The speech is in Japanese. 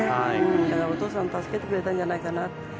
だから、お父さんが助けてくれたんじゃないかな。